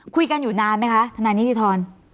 คุยกันอยู่นานไหมคะทนายนิติธร